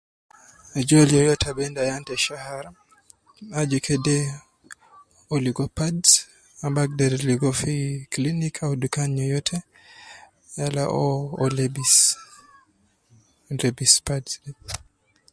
Ajol yoyote ab endi ayan te shahar, aju kede uwo ligo pads ab uwo agder ligo fi clinic au dukan yoyote, yala uwo ,uwo lebis, lebis pads de